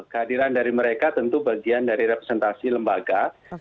kehadiran dari mereka tentu bagian dari representasi lembaga